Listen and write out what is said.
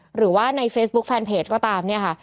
หรือว่าในเฟซบุ๊คแฟนเพจก็ตามเนี่ยค่ะ